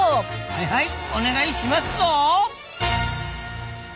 はいはいお願いしますぞ！